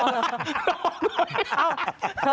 เอาหรือ